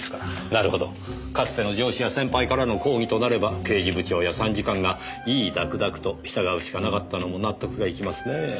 なるほどかつての上司や先輩からの抗議となれば刑事部長や参事官が唯々諾々と従うしかなかったのも納得がいきますねぇ。